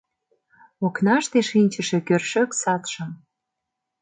Окнаште шинчыше кӧршӧк садшым